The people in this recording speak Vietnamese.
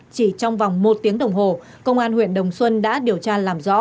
chỉ trong vòng một tiếng đồng hồ công an huyện đồng xuân đã điều tra làm rõ